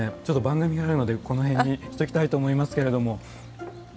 ちょっと番組があるのでこの辺にしておきたいと思いますけれども。